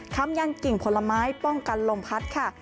คำยันกิ่งผลไม้ป้องกันลมพัดค่ะ